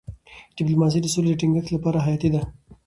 ډيپلوماسي د سولې د ټینګښت لپاره حیاتي ده.